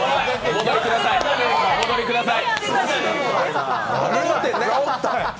お戻りください！